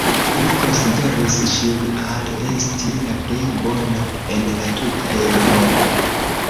Li konsideris ŝin al esti la plej bona en la tuta Eŭropo.